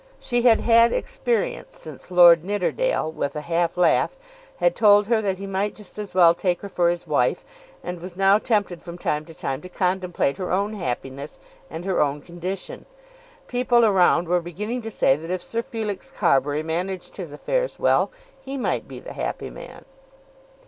She had had experience since Lord Nidderdale, with a half laugh, had told her that he might just as well take her for his wife, and was now tempted from time to time to contemplate her own happiness and her own condition. People around were beginning to say that if Sir Felix Carbury managed his affairs well he might be the happy man.